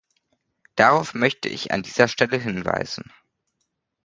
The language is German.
Darauf möchte ich an dieser Stelle hinweisen.